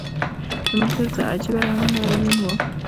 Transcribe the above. د ملګرو څه عجیبه رنګه یون و